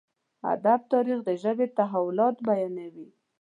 ادب تاريخ د ژبې تحولات بيانوي.